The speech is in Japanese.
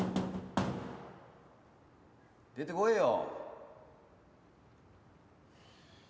出て来いよ。